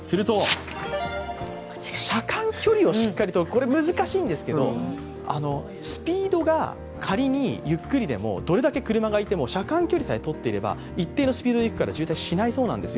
これ、難しいんですけど、スピードが仮にゆっくりでもどれだけ車がいても車間距離さえとれば一定のスピードでいくから渋滞しないそうなんですよ。